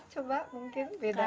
coba mungkin bedanya